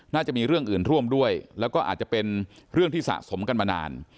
น่าจะมีเรื่องอื่นร่วมด้วยแล้วก็อาจจะเป็นเรื่องที่สะสมกันมานาน